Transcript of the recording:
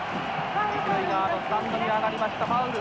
一塁側のスタンドに上がりましたファウル。